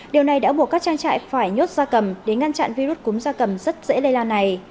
điều này đã buộc các trang trại phải nhốt gia cầm để ngăn chặn virus cúm da cầm rất dễ lây lan này